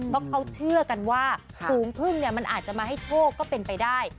เพราะเขาเชื่อกันว่าฝูงพึ่งมันอาจจะมาให้โชคก็เป็นไปได้